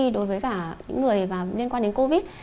đối với cả những người liên quan đến covid